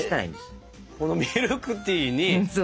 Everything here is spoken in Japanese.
このミルクティーに。